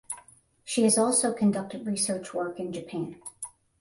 She has also conducted research work in Japan.